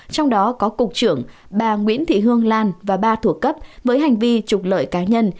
trong đó có cục trưởng bà nguyễn thị hương lan và ba thuộc cấp với hành vi trục lợi cá nhân